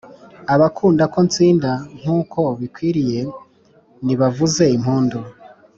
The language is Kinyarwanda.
Abakunda ko ntsinda nk’uko bikwiriye nibavuze impundu